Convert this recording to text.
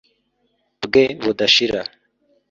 bwe budashira